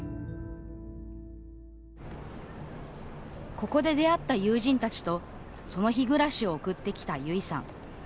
ここで出会った友人たちとその日暮らしを送ってきたゆいさん。